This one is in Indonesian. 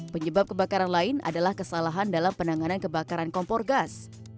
penyebab kebakaran lain adalah kesalahan dalam penanganan kebakaran kompor gas